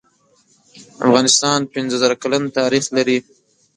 افغانستان پنځه زره کلن تاریخ لری